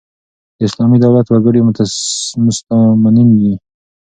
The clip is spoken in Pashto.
د اسلامي دولت وګړي مستامنین يي.